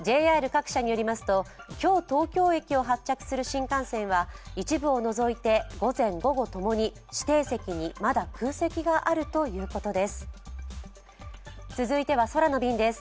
ＪＲ各社によりますと今日、東京駅を発着する新幹線は一部を除いて午前、午後ともに指定席にまだ空席があるということです。